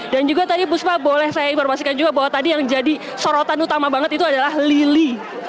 dan juga tadi buspa boleh saya informasikan juga bahwa tadi yang jadi sorotan utama banget itu adalah lili